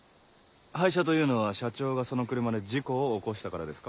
廃車というのは社長がその車で事故を起こしたからですか？